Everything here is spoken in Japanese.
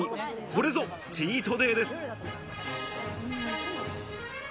これぞチートデイです。